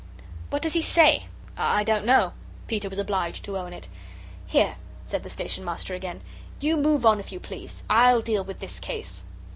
"What does he say?" "I don't know." Peter was obliged to own it. "Here," said the Station Master again; "you move on if you please. I'LL deal with this case."